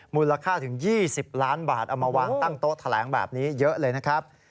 มูลค่าถึง๒๐ล้านบาทเอามาวางตั้งโต๊ะแถลงแบบนี้เยอะเลยนะครับ